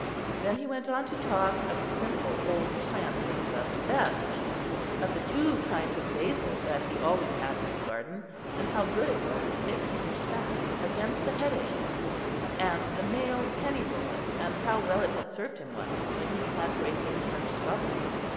Then he went on to talk of the simple old plants that he loved best; of the two kinds of basil that he always had in his garden; and how good it was mixed in sack against the headache; and the male penny royal, and how well it had served him once when he had great internal trouble.